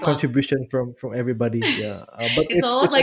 kontribusi besar dari semua orang